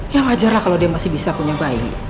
yang wajarlah kalau dia masih bisa punya bayi